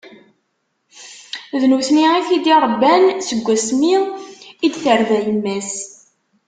D nutni i t-id-irebban seg wasmi i d-tebra yemma-s.